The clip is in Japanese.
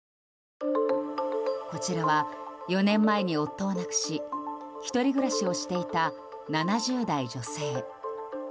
こちらは４年前に夫を亡くし１人暮らしをしていた７０代女性。